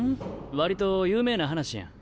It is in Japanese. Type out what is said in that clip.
割と有名な話やん。